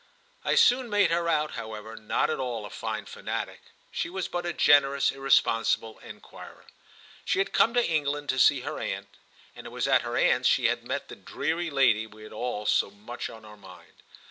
I soon made her out, however, not at all a fine fanatic—she was but a generous, irresponsible enquirer. She had come to England to see her aunt, and it was at her aunt's she had met the dreary lady we had all so much on our mind.